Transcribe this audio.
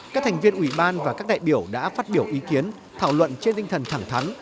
các thành viên ủy ban và các đại biểu đã phát biểu ý kiến thảo luận trên tinh thần thẳng thắn